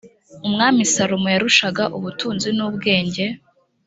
umwami salomo yarushaga ubutunzi n ubwenge